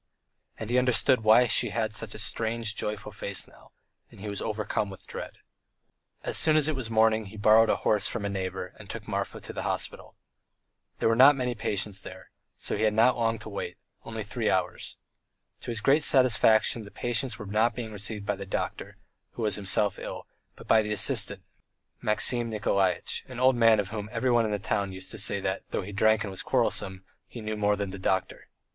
And he understood why she had such a strange, joyful face now, and he was overcome with dread. As soon as it was morning he borrowed a horse from a neighbour and took Marfa to the hospital. There were not many patients there, and so he had not long to wait, only three hours. To his great satisfaction the patients were not being received by the doctor, who was himself ill, but by the assistant, Maxim Nikolaitch, an old man of whom everyone in the town used to say that, though he drank and was quarrelsome, he knew more than the doctor.